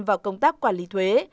vào công tác quản lý thuế